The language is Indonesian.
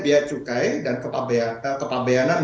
biaya cukai dan kepabeanan